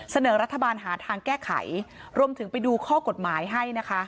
เสนอรัฐบาลหาทางแก้ไขรวมถึงไปดูข้อกฎหมายให้นะคะ